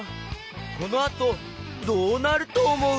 このあとどうなるとおもう？